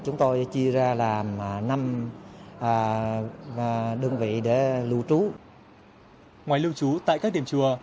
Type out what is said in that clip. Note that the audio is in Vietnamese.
ngoài lưu trú tại các điểm chùa